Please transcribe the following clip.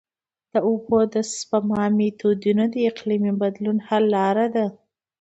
د اوبو د سپما میتودونه د اقلیمي بدلون حل لاره ده.